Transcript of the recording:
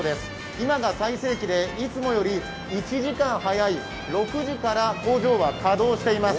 今が最盛期でいつもより１時間早い６時から工場は稼働しています。